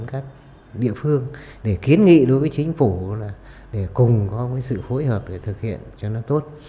các địa phương kiến nghị đối với chính phủ để cùng có sự phối hợp để thực hiện cho nó tốt